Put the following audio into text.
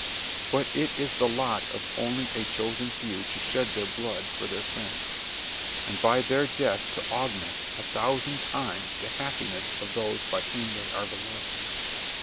But it is the lot of only a chosen few to shed their blood for their friends, and by their death to augment, a thousand times, the happiness of those by whom they are beloved.